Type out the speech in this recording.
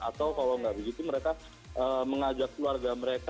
atau kalau nggak begitu mereka mengajak keluarga mereka